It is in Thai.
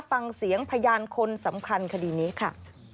ฟังเสียงพยานคนสำคัญคดีนี้ค่ะ